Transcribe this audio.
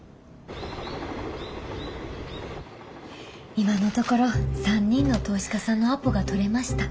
今のところ３人の投資家さんのアポが取れました。